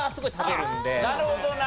なるほどな。